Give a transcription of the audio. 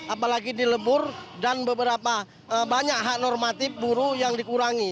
apalagi dilebur dan beberapa banyak hak normatif buruh yang dikurangi